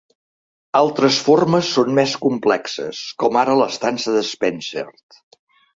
Altres formes són més complexes, com ara l'estança d'Spenser.